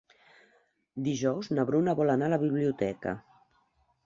Dijous na Bruna vol anar a la biblioteca.